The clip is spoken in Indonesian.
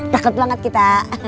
ranget banget kita